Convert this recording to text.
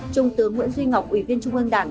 trung tướng nguyễn duy ngọc ủy viên trung ương đảng